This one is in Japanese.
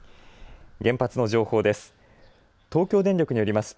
原発の情報です。